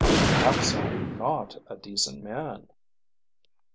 "Perhaps I'm not a decent man."